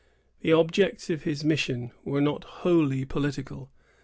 The objects of his mission were not wholly political.